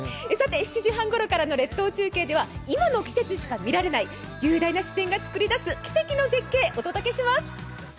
７時半ごろからの列島中継からでは今の季節でしか見られない雄大な自然が作り出す奇跡の絶景、お届けします。